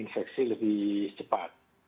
menginfeksi lebih cepat